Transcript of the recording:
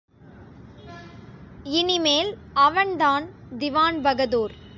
இனி மேல் அவன்தான் திவான்பகதூர்.